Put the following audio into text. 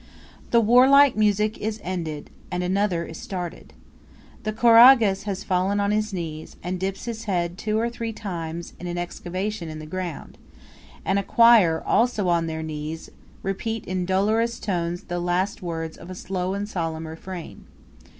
The warlike music is ended, and another is started. The choragus has fallen on his knees, and dips his head two or three times in an excavation in the ground, and a choir, also on their knees, repeat in dolorous tones the last words of a slow and solemn refrain.